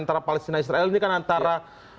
antara palestina israel ini kan antara